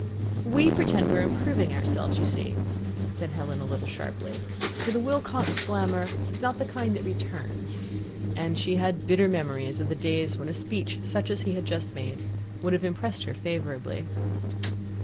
"We pretend we're improving ourselves, you see," said Helen a little sharply, for the Wilcox glamour is not of the kind that returns, and she had bitter memories of the days when a speech such as he had just made would have impressed her favourably.